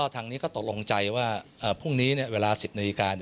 ทางนี้ก็ตกลงใจว่าพรุ่งนี้เวลา๑๐นาฬิกา